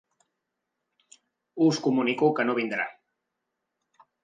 Us comunico que no vindrà.